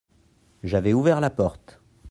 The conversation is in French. J'avais ouvert la porte.